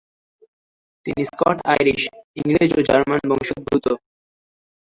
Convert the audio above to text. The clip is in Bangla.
তিনি স্কট-আইরিশ, ইংরেজ ও জার্মান বংশোদ্ভূত।